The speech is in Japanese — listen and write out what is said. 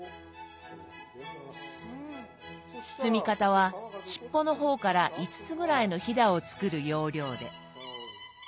包み方は尻尾の方から５つぐらいのひだを作る要領で。